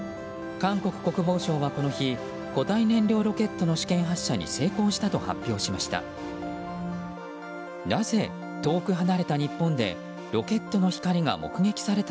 韓国国防省はこの日固体燃料ロケットの試験発射に成功したと発表しました。